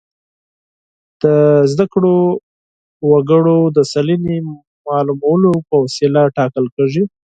د زده کړو وګړو د سلنې معلومولو په وسیله ټاکل کیږي.